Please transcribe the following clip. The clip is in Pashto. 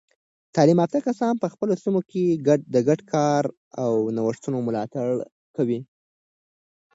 تعلیم یافته کسان په خپلو سیمو کې د ګډ کار او نوښتونو ملاتړ کوي.